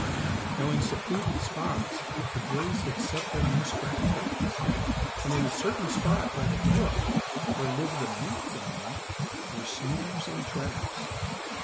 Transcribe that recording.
Now in secluded spots the boys had set their muskrat traps, and in a certain spot by the brook where lived the mink family were snares and traps.